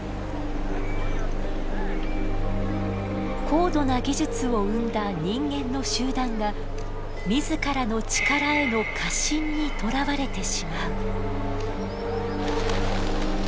高度な技術を生んだ人間の集団が自らの力への過信にとらわれてしまう。